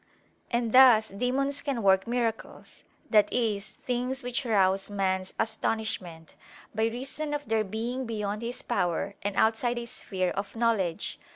And thus demons can work miracles, that is, things which rouse man's astonishment, by reason of their being beyond his power and outside his sphere of knowledge.